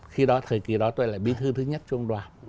khi đó thời kỳ đó tôi là bí thư thứ nhất trung đoàn